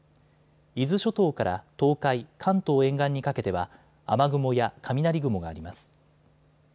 伊豆諸島から東海、関東沿岸にかけては雨雲や雷雲があります。